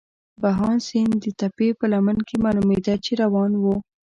بهاند سیند د تپې په لمن کې معلومېده، چې روان وو.